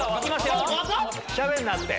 ⁉しゃべんなって！